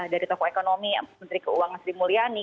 dari toko ekonomi menteri keuangan sri mulyani